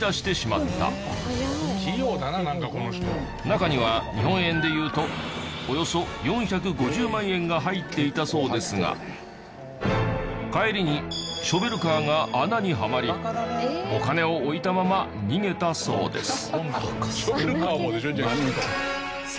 中には日本円で言うとおよそ４５０万円が入っていたそうですが帰りにショベルカーが穴にはまりお金を置いたまま逃げたそうです。